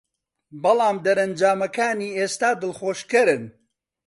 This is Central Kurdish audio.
بەڵام دەرەنجامەکانی ئێستا دڵخۆشکەرن